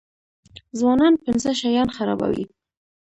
ځوانان پنځه شیان خرابوي.